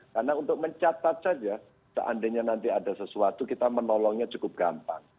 karena untuk mencatat saja seandainya nanti ada sesuatu kita menolongnya cukup gampang